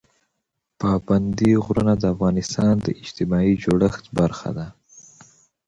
پابندي غرونه د افغانستان د اجتماعي جوړښت برخه ده.